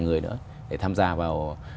tám mươi người nữa để tham gia vào